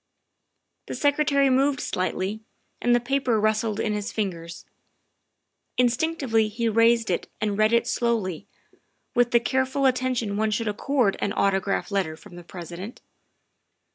The Secretary moved slightly, and the paper rustled in his fingers. Instinctively he raised it and read it slowly, with the careful attention one should accord an autograph letter from the President.